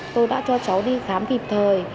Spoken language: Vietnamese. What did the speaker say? tôi đã cho cháu đi khám kịp thời